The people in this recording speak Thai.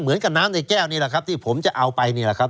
เหมือนกับน้ำในแก้วนี่แหละครับที่ผมจะเอาไปนี่แหละครับ